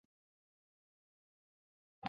可是由于预算不足提案再度否决。